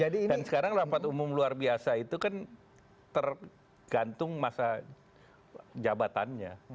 dan sekarang rapat umum luar biasa itu kan tergantung masa jabatannya